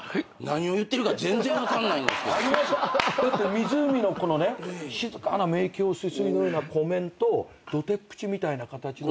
湖のこのね静かな明鏡止水のような湖面と土手っぷちみたいな形の。